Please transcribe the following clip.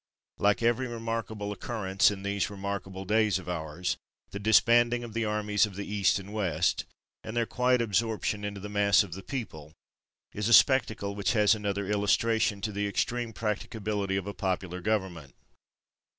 Like every remarkable occurrence in these remarkable days of ours, the disbanding of the armies of the East and West, and their quiet absorption into the mass of the people, is a spectacle which has another illustration to the extreme practicability of a popular government.